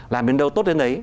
làm đến đâu tốt đến đấy